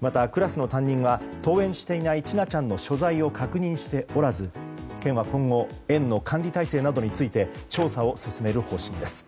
またクラスの担任は登園していない千奈ちゃんの所在を確認しておらず、県は今後園の管理体制などについて調査を進める方針です。